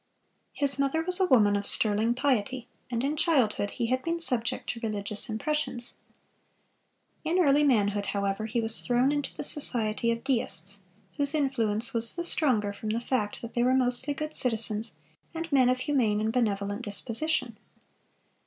His mother was a woman of sterling piety, and in childhood he had been subject to religious impressions. In early manhood, however, he was thrown into the society of deists, whose influence was the stronger from the fact that they were mostly good citizens, and men of humane and benevolent disposition.